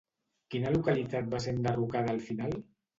Quina localitat va ser enderrocada al final?